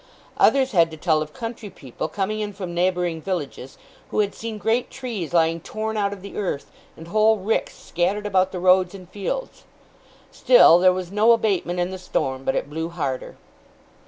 Others had to tell of country people, coming in from neighbouring villages, who had seen great trees lying torn out of the earth, and whole ricks scattered about the roads and fields. Still, there was no abatement in the storm, but it blew harder.